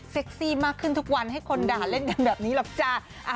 ซี่มากขึ้นทุกวันให้คนด่าเล่นกันแบบนี้หรอกจ้า